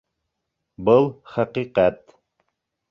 Был — хәҡиҡәт.